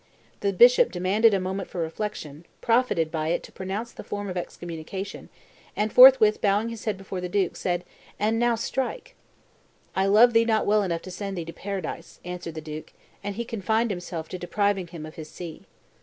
The bishop demanded a moment for reflection, profited by it to pronounce the form of excommunication, and forthwith bowing his head before the duke, said, "And now strike!" "I love thee not well enough to send thee to paradise," answered the duke; and he confined himself to depriving him of his see.